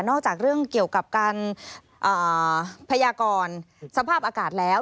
จากเรื่องเกี่ยวกับการพยากรสภาพอากาศแล้ว